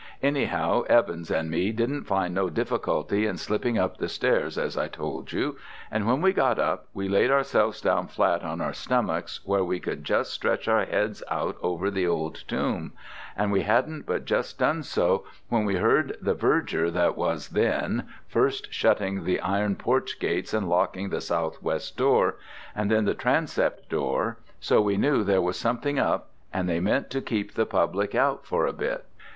Anyhow Evans and me didn't find no difficulty in slipping up the stairs as I told you, and when we got up we laid ourselves down flat on our stomachs where we could just stretch our heads out over the old tomb, and we hadn't but just done so when we heard the verger that was then, first shutting the iron porch gates and locking the south west door, and then the transept door, so we knew there was something up, and they meant to keep the public out for a bit.